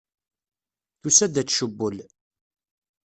Tusa-d ad tcewwel.